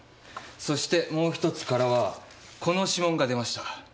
そしてもう一つからはこの指紋が出ました。